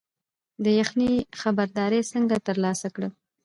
د یخنۍ خبرداری څنګه ترلاسه کړم؟